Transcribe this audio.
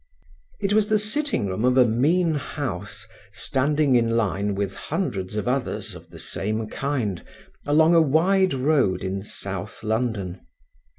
It was the sitting room of a mean house standing in line with hundreds of others of the same kind, along a wide road in South London.